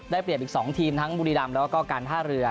เปรียบอีก๒ทีมทั้งบุรีรำแล้วก็การท่าเรือ